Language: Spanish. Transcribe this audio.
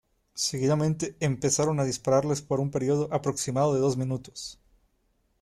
Seguidamente empezaron a dispararles por un período aproximado de dos minutos.